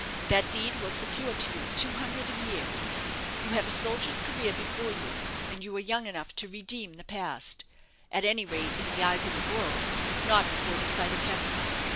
"That deed will secure to you two hundred a year. You have a soldier's career before you, and you are young enough to redeem the past at any rate, in the eyes of the world, if not before the sight of heaven.